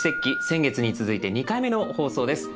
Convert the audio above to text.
先月に続いて２回目の放送です。